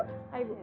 bukan buat isa